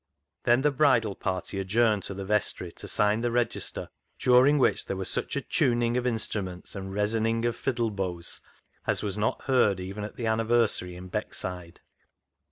Then the bridal party adjourned to the vestry to sign the register, during which there was such a tuning of instruments and resining of fiddle bows as was not heard even at the anniversary in Beckside.